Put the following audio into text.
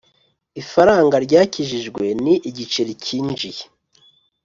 ifaranga ryakijijwe ni igiceri cyinjije